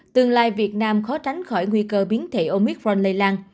tương lai việt nam khó tránh khỏi nguy cơ biến thể omitron lây lan